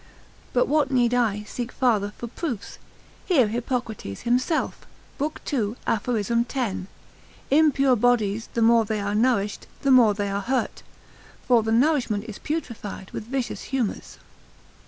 But what need I seek farther for proofs? Hear Hippocrates himself, lib. 2. aphor. 10, Impure bodies the more they are nourished, the more they are hurt, for the nourishment is putrefied with vicious humours.